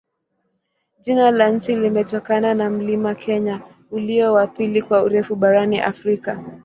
Jina la nchi limetokana na mlima Kenya, ulio wa pili kwa urefu barani Afrika.